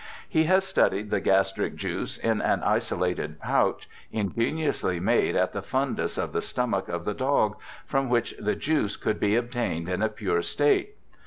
He has studied the gastric juice in an isolated pouch, ingeniously made at the fundus of the stomach of the dog, from which the juice could be obtained in a pure state.